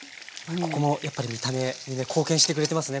ここもやっぱり見た目にね貢献してくれてますね